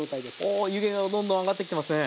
お湯気がどんどん上がってきてますね。